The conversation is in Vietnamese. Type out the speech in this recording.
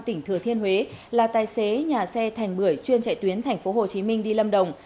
tỉnh thừa thiên huế là tài xế nhà xe thành bưởi chuyên chạy tuyến tp hcm đi lâm đồng